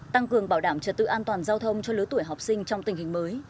tăng cường bảo đảm trật tự an toàn giao thông cho lứa tuổi học sinh trong tình hình mới